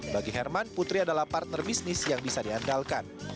bagi herman putri adalah partner bisnis yang bisa diandalkan